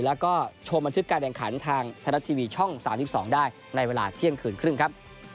แล้วก็ชมบันทึกการแข่งขันทางไทยรัฐทีวีช่อง๓๒ได้ในเวลาเที่ยงคืนครึ่งครับ